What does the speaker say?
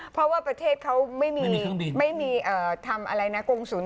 เพราะว่าประเทศเขาไม่มีเทอร์เครื่องดิน